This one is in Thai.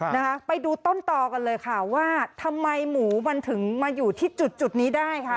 นะคะไปดูต้นต่อกันเลยค่ะว่าทำไมหมูมันถึงมาอยู่ที่จุดจุดนี้ได้ค่ะ